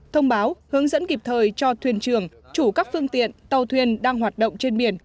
thông báo hướng dẫn kịp thời cho thuyền trường chủ các phương tiện tàu thuyền đang hoạt động trên biển